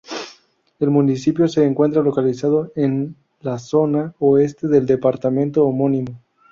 El municipio se encuentra localizado en la zona oeste del departamento homónimo.